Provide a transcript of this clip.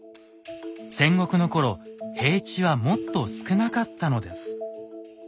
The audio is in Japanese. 戦国の頃平地はもっと少なかったのです。